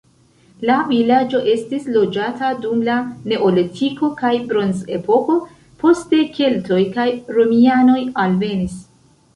La vilaĝo estis loĝata dum la neolitiko kaj bronzepoko, poste keltoj kaj romianoj alvenis.